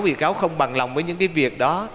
bị cáo không bằng lòng với những cái việc đó